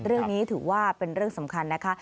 เรื่องนี้ถือว่าเป็นเรื่องสำคัญนะคะ